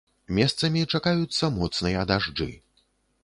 Месцамі чакаюцца моцныя дажджы.